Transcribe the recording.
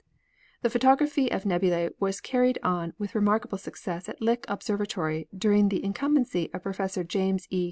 The photography of nebulae was carried on with remarkable success at Lick Observatory during the in cumbency of Professor James E.